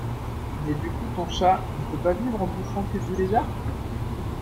Mais du coup ton chat, il peut pas vivre en bouffant que du lézard.